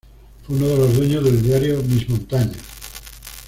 Fue uno de los dueños del diario "Mis Montañas".